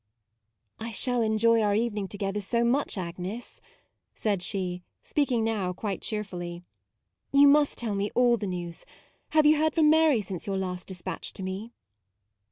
"I shall enjoy our evening to gether so much, Agnes "; said she, speaking now quite cheerfully: " You must tell me all the news. Have you heard from Mary since your last despatch to me?